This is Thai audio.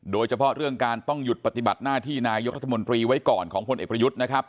โดยเฉพาะเรื่องการต้องหยุดปฏิบัติหน้าที่นายกรัฐมนตรีไว้ก่อนของพลเอกประยุทธ์นะครับ